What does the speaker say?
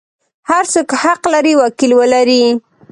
هر څوک حق لري وکیل ولري.